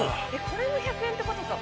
これも１００円って事か。